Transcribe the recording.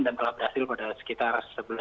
dan telah berhasil pada sekitar sebelas lima belas